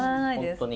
本当に。